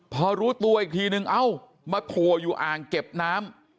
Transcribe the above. พอรู้ตัวอีกทีนึงเอ้ามาโผล่อยู่อ่างเก็บน้ำ